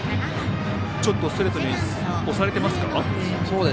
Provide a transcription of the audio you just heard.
ストレートに押されてますか？